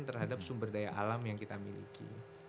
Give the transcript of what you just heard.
terhadap sumber daya alam yang kita miliki